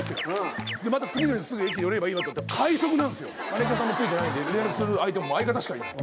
マネジャーさん付いてないので連絡する相手相方しかいない。